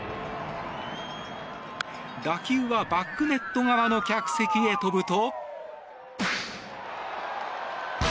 打球はバックネット側の客席へ飛ぶと。